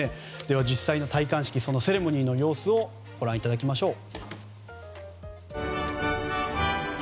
実際の戴冠式セレモニーの様子をご覧いただきましょう。